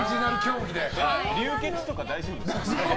流血とか大丈夫ですか？